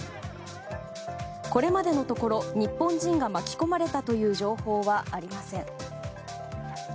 これまでのところ日本人が巻き込まれたという情報はありません。